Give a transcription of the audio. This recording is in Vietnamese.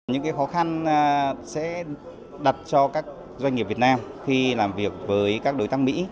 những khó khăn sẽ đặt cho các doanh nghiệp việt nam khi làm việc với các đối tác mỹ